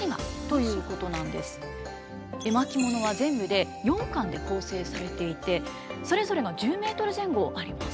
絵巻物は全部で４巻で構成されていてそれぞれが１０メートル前後あります。